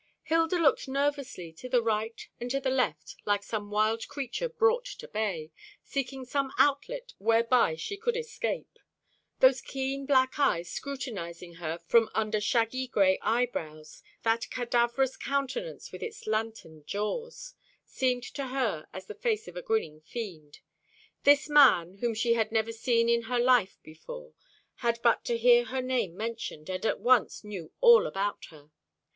Hilda looked nervously to the right and to the left, like some wild creature brought to bay, seeking some outlet whereby she could escape. Those keen black eyes scrutinising her from under shaggy gray eyebrows, that cadaverous countenance with its lantern jaws, seemed to her as the face of a grinning fiend. This man, whom she had never seen in her life before, had but to hear her name mentioned, and at once knew all about her.